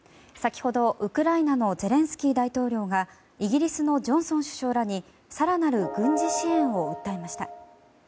先ほど、ウクライナのゼレンスキー大統領がイギリスのジョンソン首相らに更なる軍事支援を訴えました。